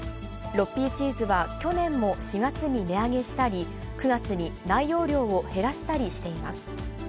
６Ｐチーズは、去年も４月に値上げしたり、９月に内容量を減らしたりしています。